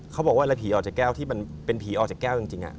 เขาบอกว่าเวลาผีออกจากแก้วที่มันเป็นผีออกจากแก้วจริง